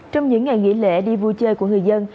trong những ngày nghỉ lễ đi vui chơi của người dân